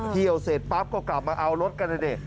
เที่ยวเสร็จปั๊บก็กลับมาเอารถกันนะดิ